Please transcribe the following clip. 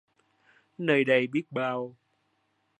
Nơi đây biết bao